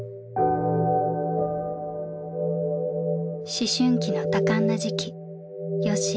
思春期の多感な時期よっしー